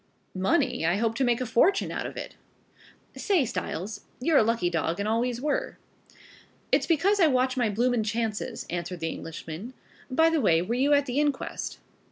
"Money? I hope to make a fortune out of it." "Say, Styles, you're a lucky dog and always were." "It's because I watch my bloomin' chances," answered the Englishman. "By the way, were you at the inquest?"